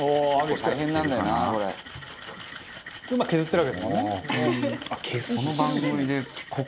「今削ってるわけですもんね」